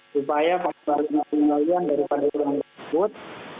supaya pasbaran masing masingan daripada orang tersebut